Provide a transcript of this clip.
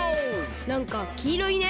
なんかきいろいね。